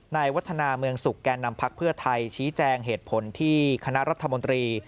วัฒนาเมืองสุขแก่นำพักเพื่อไทยชี้แจงเหตุผลที่คณะรัฐมนตรี